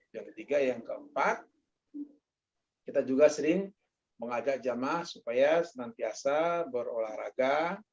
yang ketiga yang keempat kita juga sering mengajak jamaah supaya senantiasa berolahraga